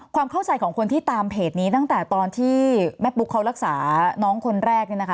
ความเข้าใจของคนที่ตามเพจนี้ตั้งแต่ตอนที่แม่ปุ๊กเขารักษาน้องคนแรกเนี่ยนะคะ